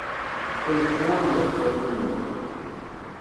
Atmaten-iw d iqbayliyen.